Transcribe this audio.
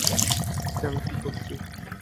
ভাবছি আমি কী করেছি।